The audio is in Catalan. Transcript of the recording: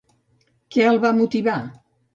Què el va motivar?